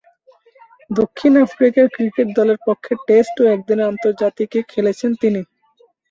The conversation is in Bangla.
দক্ষিণ আফ্রিকা ক্রিকেট দলের পক্ষে টেস্ট ও একদিনের আন্তর্জাতিকে খেলেছেন তিনি।